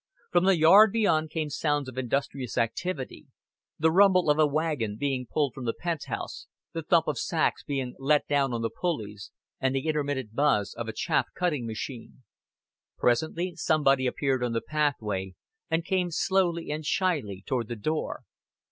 From the yard beyond came sounds of industrious activity the rumble of a wagon being pulled from the pent house, the thump of sacks being let down on the pulleys, and the intermittent buzz of a chaff cutting machine. Presently somebody appeared on the pathway, and came slowly and shyly toward the door.